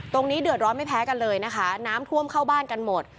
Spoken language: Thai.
เดือดร้อนไม่แพ้กันเลยนะคะน้ำท่วมเข้าบ้านกันหมด